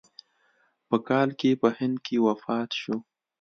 په کال کې په هند کې وفات شو.